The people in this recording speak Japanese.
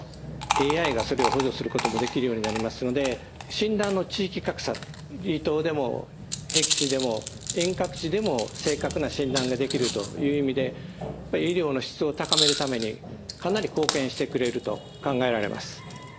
ＡＩがそれを補助することもできるようになりますので診断の地域格差離島でもへき地でも遠隔地でも正確な診断ができるという意味で医療の質を高めるためにかなり貢献してくれると考えられます。